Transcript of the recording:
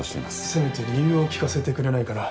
せめて理由を聞かせてくれないかな。